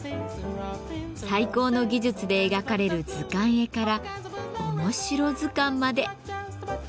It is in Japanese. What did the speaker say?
最高の技術で描かれる図鑑絵からおもしろ図鑑まで。